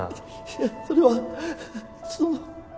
いやそれはその。